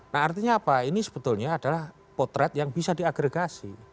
nah artinya apa ini sebetulnya adalah potret yang bisa diagregasi